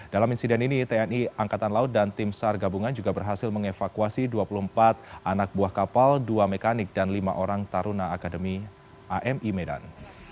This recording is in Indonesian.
dalam insiden ini tni angkatan laut dan tim sar gabungan juga berhasil mengevakuasi dua puluh empat anak buah kapal dua mekanik dan lima orang taruna akademi ami medan